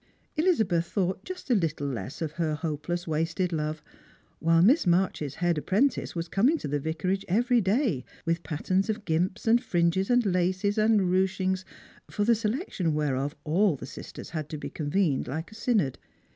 Elizabeth thought just a little less of her hopeless wasted love, while Miss March's head apprenti. Te was coming to the Vicarage every day with patterns of gimps and fringes and laces and ruchings, for the selection whereof all the sisters had to be con vened like a synod.